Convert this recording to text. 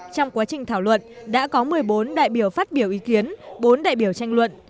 trong quá trình thảo luận đã có một mươi bốn đại biểu phát biểu ý kiến bốn đại biểu tranh luận